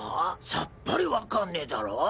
さっぱり分かんねぇだろ？